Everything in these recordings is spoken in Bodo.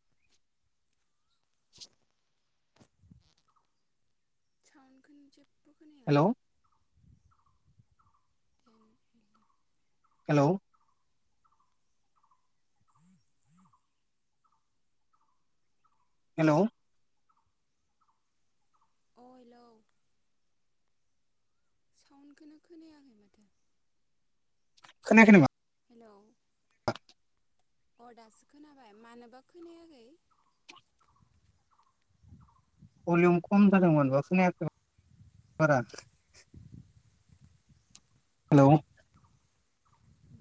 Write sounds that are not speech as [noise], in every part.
[inaudible] [inaudible] हेल' अ हेल' हेल' अ हेलौ साउन्डखौनो खोनायाखै माथो खोनायाखै नामा? हेलौ अ दासो खोनाबाय मानोबा खोनायाखै भलिउम खम जादोंमोन बेयाव खोनायाखैमोन बारा हेल'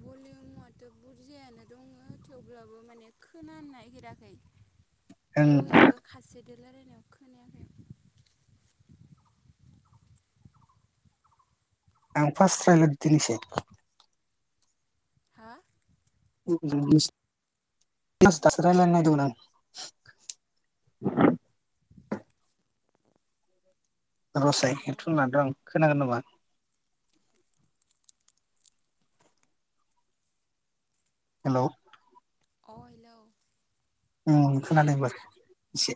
भलियमआथ' बुरजायानो दङ थेवब्लाबो माने खोनानो नागिराखै ओं दहयबो खासे दो रायलायनायाव खोनायाखै आं फास्ट रायज्लायदों दिनैसो हा [unintelligible] फारस दासो रायज्लायनो नागिरदोंमोन आं रसाय अ हेदफन लानो आं खोनागोन नामा हेल' अ हेलौ खोनादों इबार एसे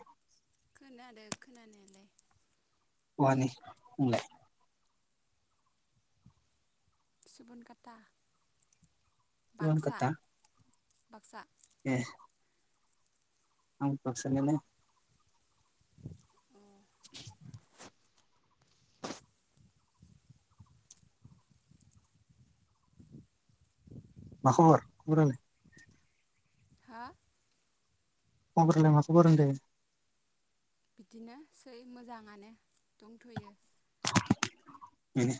खोनादों खोनानायालाय बहानि बुंलाय सुबुनखाता [inaudible] बाक्सा ए आंबो बाक्सानिआनो अ [inaudible] मा खबर खबरालाय हा खबरालाय मा खबर होनदो बिदिनोसै मोजाङानो दंथ'यो। उम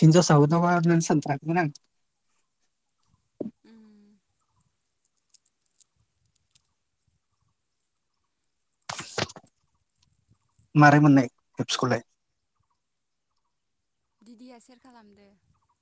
हिनजावसा फोरदो माथो होनो सानथ्राखैमोन आं। उम माबारै मोननाय एपसखौलाय दिदिया सेयार खालामदो